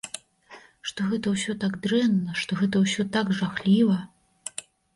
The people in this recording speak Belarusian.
Што гэта ўсё так дрэнна, што гэта ўсё так жахліва.